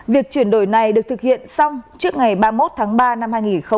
việc chuyển đổi này được thực hiện xong trước ngày ba mươi một tháng ba năm hai nghìn hai mươi